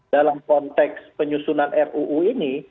dalam konteks penyusunan ruu ini